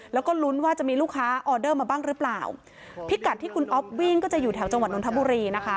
แล้วก็ลุ้นว่าจะมีลูกค้าออเดอร์มาบ้างหรือเปล่าพิกัดที่คุณอ๊อฟวิ่งก็จะอยู่แถวจังหวัดนทบุรีนะคะ